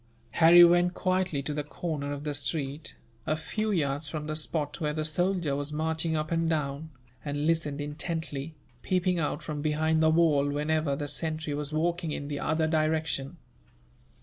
Harry went quietly to the corner of the street, a few yards from the spot where the soldier was marching up and down, and listened intently, peeping out from behind the wall whenever the sentry was walking in the other direction.